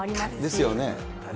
ですよね。